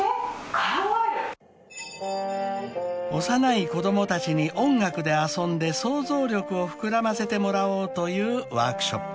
［幼い子供たちに音楽で遊んで想像力を膨らませてもらおうというワークショップ］